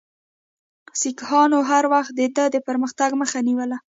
سیکهانو هر وخت د ده د پرمختګ مخه نیوله.